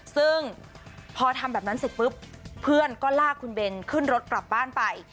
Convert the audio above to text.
ซึ่งพอทำแบบนั้นเสร็จปุ๊บเพื่อนก็ลากคุณเบนขึ้นรถกลับบ้านไป